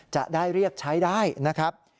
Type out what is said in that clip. จะได้เรียกใช้ได้นะครับ